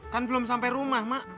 kan belum sampai rumah mak